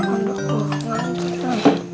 bantu dong sob